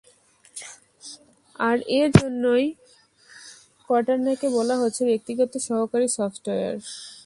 আর এর জন্যই করটানাকে বলা হচ্ছে ব্যক্তিগত সহকারী সফটওয়্যার।